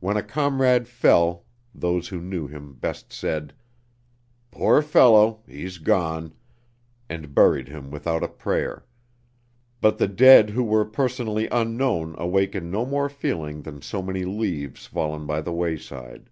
When a comrade fell those who knew him best said: "Poor fellow, he's gone," and buried him without a prayer; but the dead who were personally unknown awakened no more feeling than so many leaves fallen by the wayside.